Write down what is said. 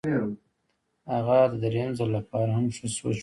هغه د درېیم ځل لپاره هم ښه سوچ وکړ.